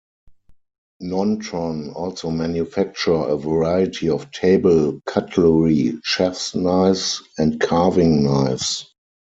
Nontron also manufacture a variety of table cutlery, chefs knives, and carving knives.